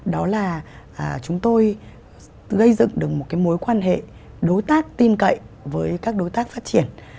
đó là chúng tôi gây dựng được một mối quan hệ đối tác tin cậy với các đối tác phát triển